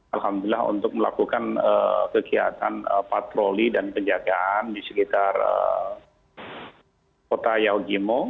alhamdulillah untuk melakukan kegiatan patroli dan penjagaan di sekitar kota yaugimo